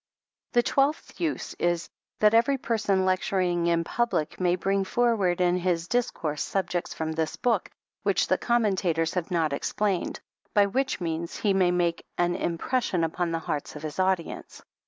The twelfth use is, that every person lecturing in public may bring forward in his discourse, subjects from this book, which the commentators have not explained, by which means he may make an im pression upon the hearts of his audience.